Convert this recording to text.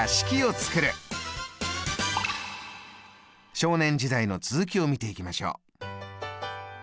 少年時代の続きを見ていきましょう。